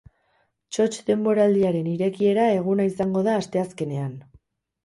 Txotx denboraldiaren irekiera eguna izango da asteazkenean.